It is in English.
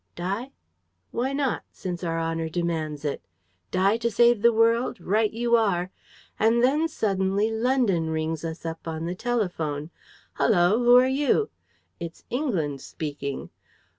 _ Die? Why not, since our honor demands it? Die to save the world? Right you are! And then suddenly London rings us up on the telephone. 'Hullo! Who are you?' 'It's England speaking.'